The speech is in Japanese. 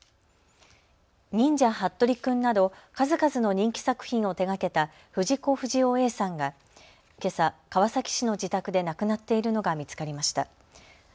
忍者ハットリくんなど数々の人気作品を手がけた藤子不二雄Ａさんがけさ川崎市の自宅で亡くなっているのが見つかりました。